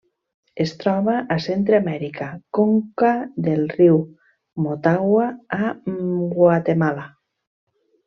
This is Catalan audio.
Es troba a Centreamèrica: conca del riu Motagua a Guatemala.